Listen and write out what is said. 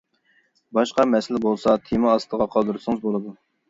باشقا مەسىلە بولسا تېما ئاستىغا قالدۇرسىڭىز بولىدۇ.